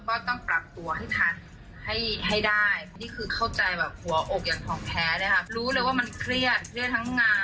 มันจะช่วยได้เยอะค่ะ